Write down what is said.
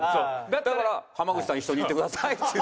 だから「濱口さん一緒に行ってください」っつって。